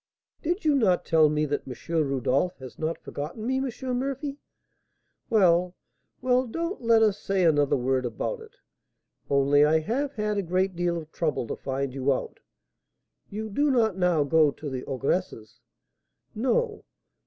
"Did you not tell me that M. Rodolph has not forgotten me, M. Murphy?" "Well, well, don't let us say another word about it; only I have had a great deal of trouble to find you out. You do not now go to the ogress's?" "No."